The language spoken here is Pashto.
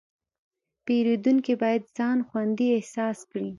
پیرودونکی باید ځان خوندي احساس کړي.